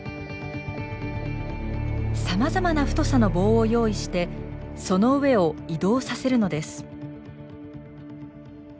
さまざまな太さの棒を用意してその上を移動させるのです。